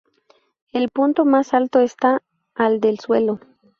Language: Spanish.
El punto más alto está a del suelo.